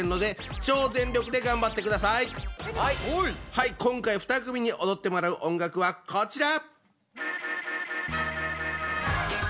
はい今回２組に踊ってもらう音楽はこちら！